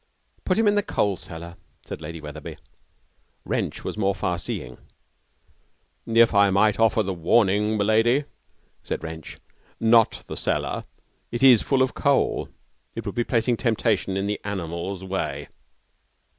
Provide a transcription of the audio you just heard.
'Put him in the coal cellar,' said Lady Wetherby. Wrench was more far seeing. 'If I might offer the warning, m'lady,' said Wrench, 'not the cellar. It is full of coal. It would be placing temptation in the animal's way.'